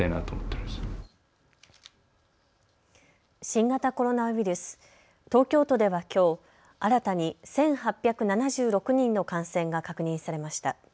新型コロナウイルス東京都ではきょう新たに１８７６人の感染が確認されました。